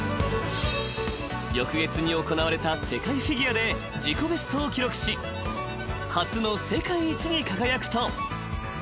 ［翌月に行われた世界フィギュアで自己ベストを記録し初の世界一に輝くと］